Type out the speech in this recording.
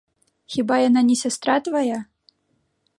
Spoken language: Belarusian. Хіба яна не сястра твая?